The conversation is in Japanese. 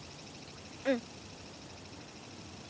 うん。